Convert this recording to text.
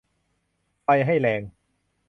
ไฟให้แรง